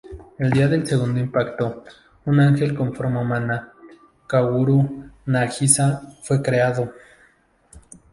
El día del Segundo Impacto, un ángel con forma humana, Kaworu Nagisa, fue creado.